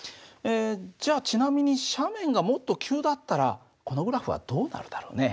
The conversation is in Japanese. じゃあちなみに斜面がもっと急だったらこのグラフはどうなるだろうね？